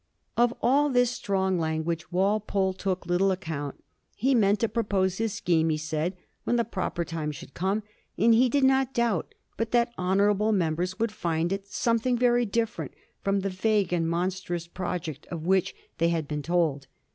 Of all this strong language Walpole took little account. He meant to propose his scheme, he said, when the proper time should come, and he did not doubt but that honourable members would find it something very different fix)m the vague and mon strous project of which they had been told.